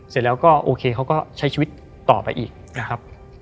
เสร็จแล้วก็โอเคเขาก็ใช้ชีวิตต่อไปอีกนะครับ